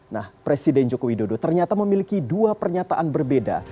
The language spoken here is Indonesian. nah presiden jokowi dodo ternyata memiliki dua pernyataan berbeda